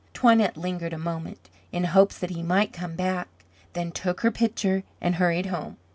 Toinette lingered a moment, in hopes that he might come back, then took her pitcher and hurried home.